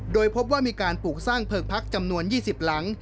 โดยพบว่ามีการปลูกสร้างเพลิงพักจำนวน๒๐หลัง